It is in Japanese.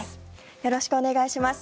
よろしくお願いします。